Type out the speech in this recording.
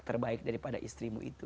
terbaik daripada istrimu itu